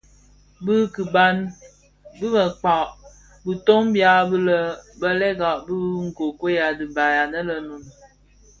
Bi bëkpag bitoň bya bi bèlèga bi nkokuel a dhibaï anë le Noun.